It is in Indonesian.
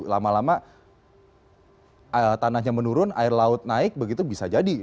lama lama tanahnya menurun air laut naik begitu bisa jadi